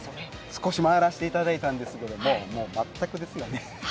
少し回らせていただいたんですけど、全くですよね。